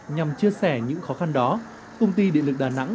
nhằm chia sẻ những khó khăn đó công ty điện lực đà nẵng